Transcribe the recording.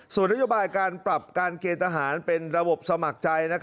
ส่วนนโยบายการปรับการเกณฑ์ทหารเป็นระบบสมัครใจ